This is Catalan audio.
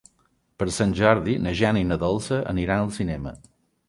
Per Sant Jordi na Jana i na Dolça aniran al cinema.